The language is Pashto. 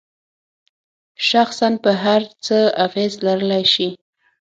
شخصاً پر هر څه اغیز لرلای شي.